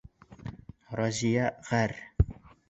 Разия ғәр.